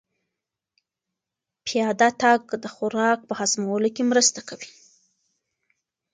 پیاده تګ د خوراک په هضمولو کې مرسته کوي.